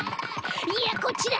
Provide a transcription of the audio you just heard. いやこっちだ！